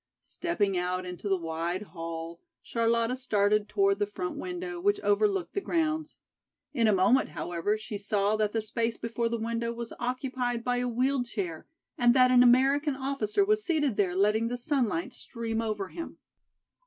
Stepping out into the wide hall Charlotta started toward the front window which overlooked the grounds. In a moment, however, she saw that the space before the window was occupied by a wheeled chair and that an American officer was seated there letting the sunlight stream over him.